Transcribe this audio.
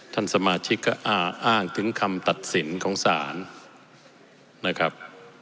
ท่านสมาชิกก็อ้างถึงคำตัดสินของศาลนะครับ